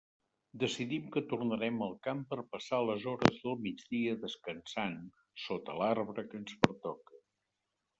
Decidim que tornarem al camp per passar les hores del migdia descansant sota l'arbre que ens pertoca.